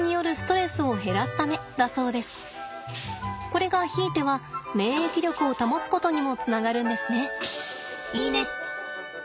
これがひいては免疫力を保つことにもつながるんですね。